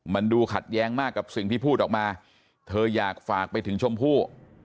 มันดูขัดแย้งมากกับสิ่งที่พูดออกมาเธออยากฝากไปถึงชมพู่